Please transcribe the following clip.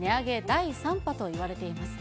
第３波といわれています。